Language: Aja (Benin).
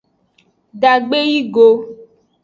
Dagbe yi go.